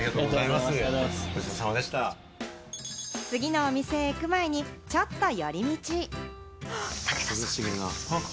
次のお店へ行く前にちょっと寄り道。